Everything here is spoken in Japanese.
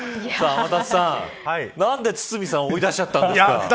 天達さん何で堤さんを追い出しちゃったんですか。